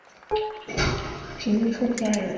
直隶顺天人。